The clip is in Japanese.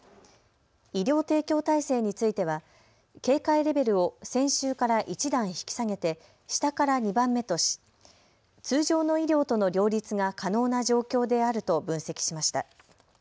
医療提供体制については警戒レベルを先週から１段引き下げて下から２番目とし通常の医療との両立が可能な状況であると分析しました。